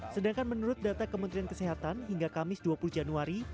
sedangkan menurut data kementerian kesehatan hingga kamis dua puluh januari